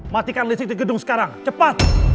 matikan listrik di gedung sekarang cepat